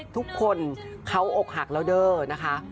ทุกคนเขาอกหักแล้วเด้อนะคะ